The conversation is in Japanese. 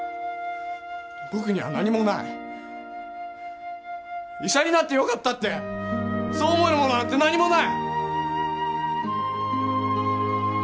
僕には何もない医者になってよかったってそう思えるものなんて何もない！